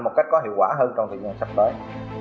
một cách có hiệu quả hơn trong thời gian sắp tới